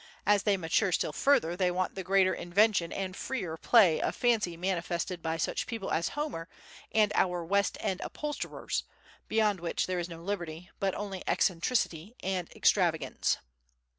As they mature still further they want the greater invention and freer play of fancy manifested by such people as Homer and our west end upholsterers, beyond which there is no liberty, but only eccentricity and extravagance.